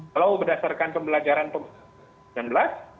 kalau berdasarkan pembelajaran pemilu